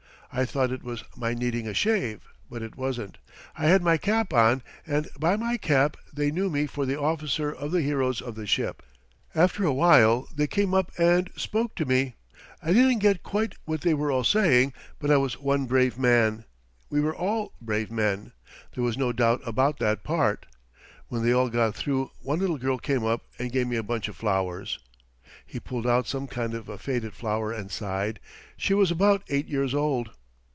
I thought it was my needing a shave, but it wasn't. I had my cap on, and by my cap they knew me for the officer of the heroes of the ship. After a while they came up and spoke to me. I didn't get quite what they were all saying, but I was one brave man we were all brave men, there was no doubt about that part. When they all got through one little girl came up and gave me a bunch of flowers." He pulled out some kind of a faded flower and sighed. "She was about eight years old."